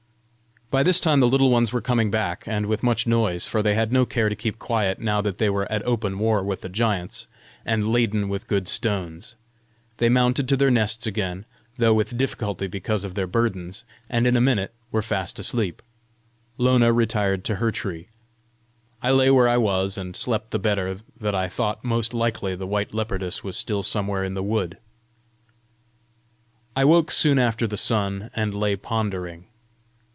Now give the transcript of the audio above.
By this time the Little Ones were coming back, and with much noise, for they had no care to keep quiet now that they were at open war with the giants, and laden with good stones. They mounted to their nests again, though with difficulty because of their burdens, and in a minute were fast asleep. Lona retired to her tree. I lay where I was, and slept the better that I thought most likely the white leopardess was still somewhere in the wood. I woke soon after the sun, and lay pondering.